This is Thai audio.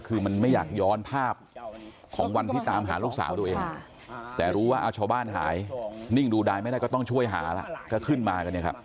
คือไม่อยากย้อนภาพของวันพิตามหาลูกสาวตัวเองแต่รู้ว่าชาวบ้านหายหนิ่งดูดายไม่ได้คุณพ่อก็ช่วยหาก็ขึ้นมา